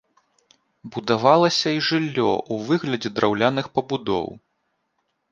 Будавалася і жыллё у выглядзе драўляных пабудоў.